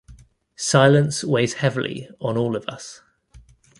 Silence weighs heavily on all of us.